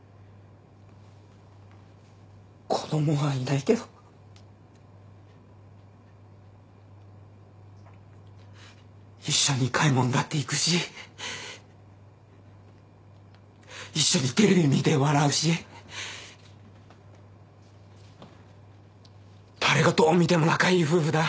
子供はいないけど一緒に買い物だって行くし一緒にテレビ見て笑うし誰がどう見ても仲いい夫婦だ。